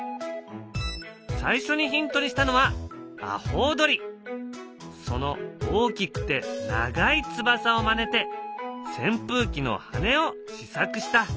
最初にヒントにしたのはその大きくて長い翼をまねてせん風機の羽根を試作した。